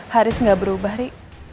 haris gak berubah ri